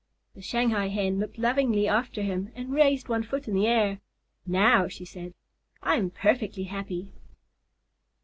The Shanghai Hen looked lovingly after him and raised one foot in the air. "Now," she said, "I am perfectly happy."